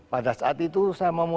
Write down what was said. pada saat ini saya tidak bisa berpikir